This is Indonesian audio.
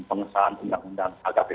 pengesahan undang undang akpb